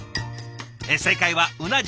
正解はうな重。